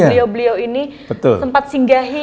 beliau beliau ini sempat singgahi